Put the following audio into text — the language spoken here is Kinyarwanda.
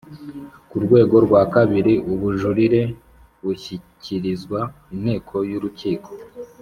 Ku rwego rwa kabiri ubujurire bushyikirizwa Inteko y’urukiko